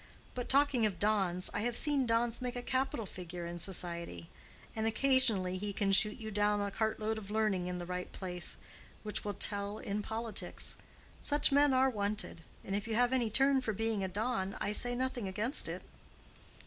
But talking of Dons, I have seen Dons make a capital figure in society; and occasionally he can shoot you down a cart load of learning in the right place, which will tell in politics. Such men are wanted; and if you have any turn for being a Don, I say nothing against it."